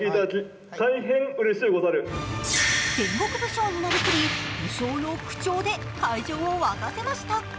戦国武将になりきり武将の口調で会場を沸かせました。